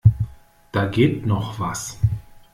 Da geht noch was.